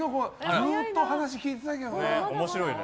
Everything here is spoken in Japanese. ずっと話聞いてたいけどな。